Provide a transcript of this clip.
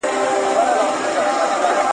د نوملیکنې لړۍ روانه ده.